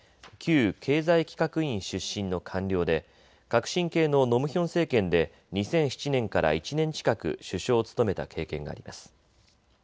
旧経済企画院出身の官僚で革新系のノ・ムヒョン政権で２００７年から１年近く首相を務めた経験があります。